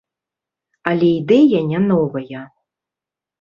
Але ідэя не новая.